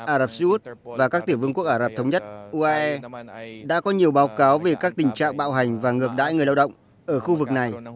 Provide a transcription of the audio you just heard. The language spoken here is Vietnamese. ả rập xê út và các tiểu vương quốc ả rập thống nhất uae đã có nhiều báo cáo về các tình trạng bạo hành và ngược đãi người lao động ở khu vực này